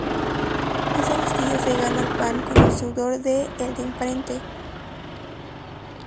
Ese listillo se gana el pan con el sudor del de enfrente